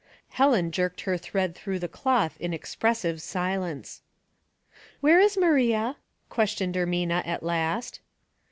Helen jerked her thread through the cloth in expressive silence. " Where is Maria ?" questioned Ermina at last.